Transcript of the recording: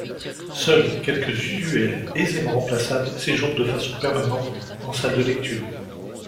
Seuls quelques usuels aisément remplaçables séjournent de façon permanente en salle de lecture.